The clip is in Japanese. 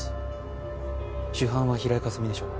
主犯は平井かすみでしょう。